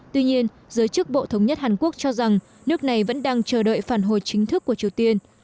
tuy nhiên giới chức bộ thống nhất hàn quốc cho rằng nước này vẫn đang chờ đợi phản hồi chính thức của triều tiên